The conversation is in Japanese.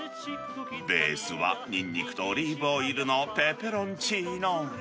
ベースはニンニクとオリーブオイルのペペロンチーノ。